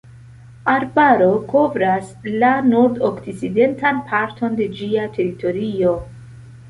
Arbaro kovras la nordokcidentan parton de ĝia teritorio.